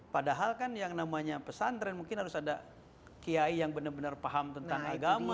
padahal kan yang namanya pesantren mungkin harus ada kiai yang benar benar paham tentang agama